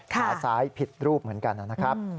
ขาซ้ายผิดรูปเหมือนกันนะครับ